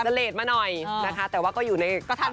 คงไม่บ้าถวันเห็นตัวเอง